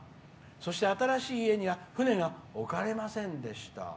そして、新しい家には船が置かれませんでした」。